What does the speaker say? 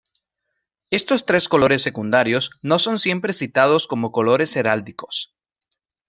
Estos tres colores secundarios no son siempre citados como colores heráldicos.